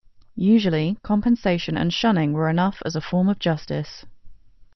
Usually, compensation and shunning were enough as a form of justice.